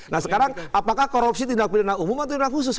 nah sekarang apakah korupsi tindak pidana umum atau tindak khusus